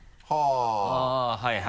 あぁはいはい。